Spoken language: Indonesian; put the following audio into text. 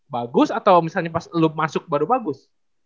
bagus atau misalnya pas lo masuk baru bagus